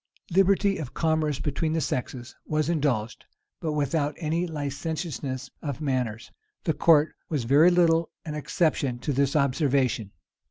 Liberty of commerce between the sexes was indulged, but without any licentiousness of manners. The court was very little an exception to this observation.